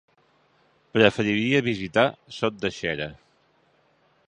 Preferiria visitar Sot de Xera.